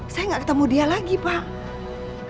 saya nggak ketemu dia lagi pak